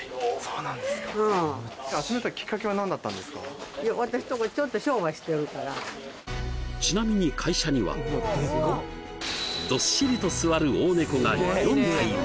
うんちなみに会社にはどっしりと座る大猫が４体も